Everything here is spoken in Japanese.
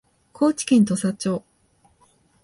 高知県土佐町